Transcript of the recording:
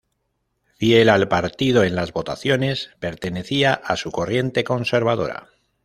Fiel al partido en las votaciones, pertenecía a su corriente conservadora.